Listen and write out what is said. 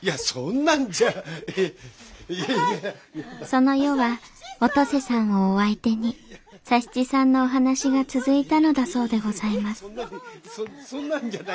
その夜はお登世さんをお相手に佐七さんのお話が続いたのだそうでございます